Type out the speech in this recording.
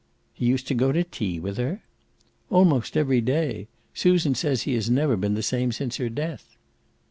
"He used to go to tea with her?" "Almost every day. Susan says he has never been the same since her death."